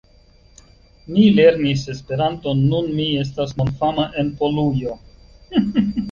Mi lernis Esperanton, nun mi estas mondfama en Polujo.